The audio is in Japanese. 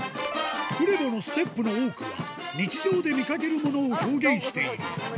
フレヴォのステップの多くは、日常で見かけるものを表現している。